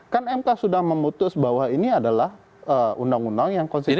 kan mk sudah memutus bahwa ini adalah undang undang yang konstitusional